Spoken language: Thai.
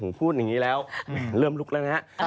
ผมพูดอย่างนี้แล้วเริ่มลุกแล้วนะฮะ